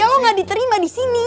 saya lo gak diterima di sini